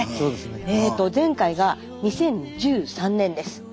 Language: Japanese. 前回が２０１３年です。